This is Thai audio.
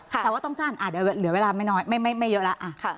แต่ว่าต้องสั้นเดี๋ยวเหลือเวลาไม่น้อยไม่เยอะแล้ว